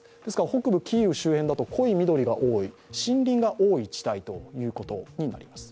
北部キーウ周辺だと濃い緑が多い、森林が多い地帯ということになります。